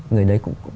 người đấy cũng